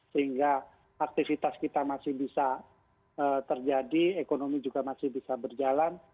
sehingga aktivitas kita masih bisa terjadi ekonomi juga masih bisa berjalan